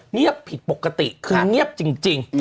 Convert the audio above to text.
เงียบผิดปกติคือเงียบจริง